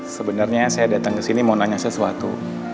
sebenernya saya datang kesini mau nanya sesuatu